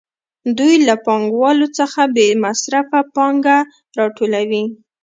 دوی له پانګوالو څخه بې مصرفه پانګه راټولوي